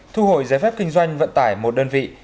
thu hồi giấy phép kinh doanh vận tải một đơn vị